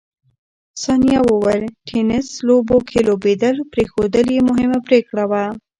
ثانیه وویل، ټېنس لوبو کې لوبېدل پرېښودل یې مهمه پرېکړه وه.